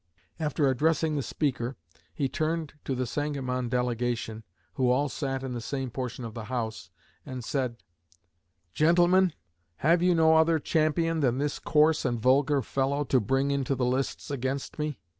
After addressing the Speaker, he turned to the Sangamon delegation, who all sat in the same portion of the house, and said: 'Gentlemen, have you no other champion than this coarse and vulgar fellow to bring into the lists against me?